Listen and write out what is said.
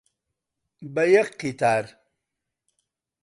بە یەک قیتار،